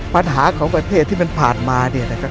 ปัญหาของประเทศที่มันผ่านมาเนี่ยนะครับ